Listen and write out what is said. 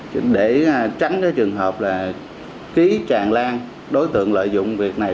xác định được việc vây đúng hay không đúng để tránh trường hợp ký tràn lan đối tượng lợi dụng việc này